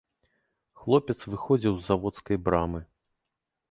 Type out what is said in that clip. Хлопец выходзіў з заводскай брамы.